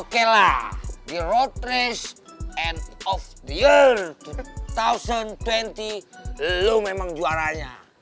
oke lah di road race and of bear dua ribu dua puluh lo memang juaranya